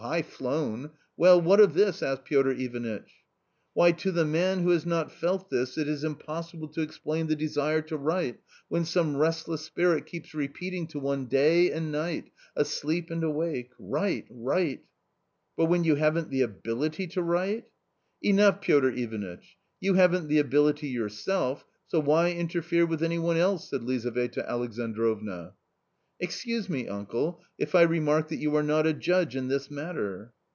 "High flown! Well, what of this?" asked Piotr Ivanitch. " Why, that to the man who has not felt this it is im possible to explain the desire to write when some restless spirit keeps repeating to one day and night, asleep and awake : write, write." " But when you haven't the ability to write ?"" Enough, Piotr Ivanitch ; you haven't the ability your self, so why interfere with any one else?" said Lizaveta Alexandrovna. " Excuse me, uncle, if I remark that you are not a judge in this matter."